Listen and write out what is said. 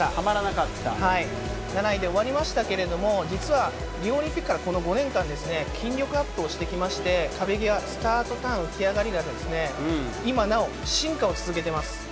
７位で終わりましたけれども、実は、リオオリンピックからこの５年間、筋力アップをしてきまして、壁際、スタートからの浮き上がりが、今なお進化を続けています。